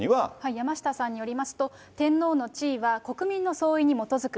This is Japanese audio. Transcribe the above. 山下さんによりますと、天皇の地位は国民の総意に基づく。